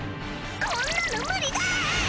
こんなの無理だぁ！